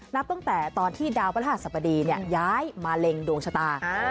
นับตั้งแต่ตอนที่ดาวพระหัสบดีย้ายมาเล็งดวงชะตา